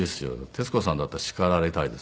徹子さんだったら叱られたいです。